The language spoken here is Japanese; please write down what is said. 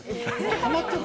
ハマっちゃって。